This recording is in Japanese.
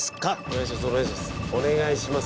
飯尾：お願いします